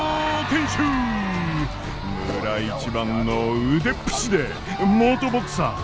村一番の腕っぷしで元ボクサー！